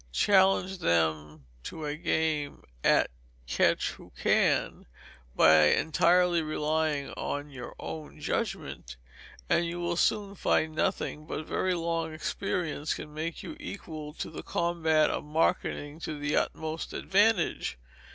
Challenge them to a game at "Catch who can," by entirely relying on your own judgment, and you will soon find nothing but very long experience can make you equal to the combat of marketing to the utmost advantage.